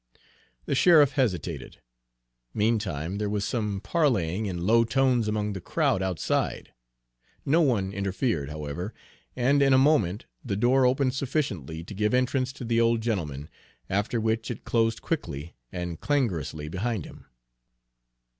The sheriff hesitated. Meantime there was some parleying in low tones among the crowd outside. No one interfered, however, and in a moment the door opened sufficiently to give entrance to the old gentleman, after which it closed quickly and clangorously behind him.